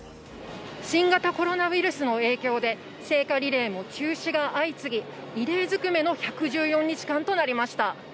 新型コロナウイルスの影響で聖火リレーも中止が相次ぎ、異例づくめの１１４日間となりました。